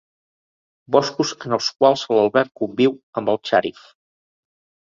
Boscos en els quals l'Albert conviu amb en Shariff.